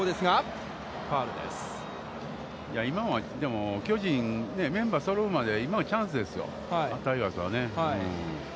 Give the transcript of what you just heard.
今はでも、巨人、メンバーそろうまで、今がチャンスですよ、タイガースはね。